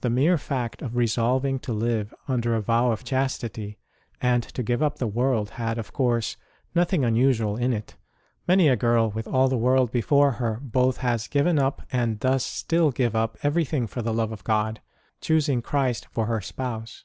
The mere fact of resolving to live under a vow of chastity and to give up the world had, of course, nothing unusual in it : many a girl with all the world before her both has given up, and does still give up, everything for the love of God, choosing Christ for her Spouse.